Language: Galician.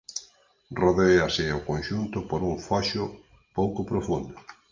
Rodéase o conxunto por un foxo pouco profundo.